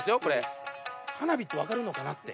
花火って分かるのかなって。